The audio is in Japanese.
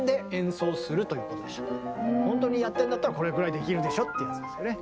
これをほんとにやってんだったらこれぐらいできるでしょっていうやつですよね。